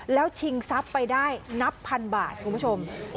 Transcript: แล้วชิงทรัพย์ไปได้นับพันบาทคุณผู้ชม